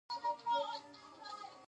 چاکلېټ له ناز سره خورېږي.